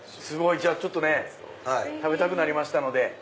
じゃあちょっとね食べたくなりましたので。